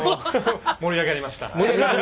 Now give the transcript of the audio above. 盛り上がりました。